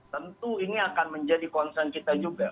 tentu ini akan menjadi concern kita juga